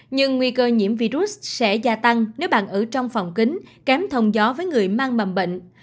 nhưng nguy cơ nhiễm virus sẽ gia tăng nếu bạn ở trong phòng kính kém thông gió với người mang mầm bệnh